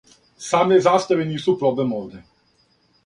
Саме заставе нису проблем овде.